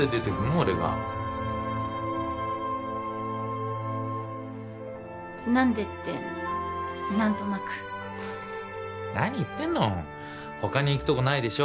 俺が何でって何となく何言ってんの他に行くとこないでしょ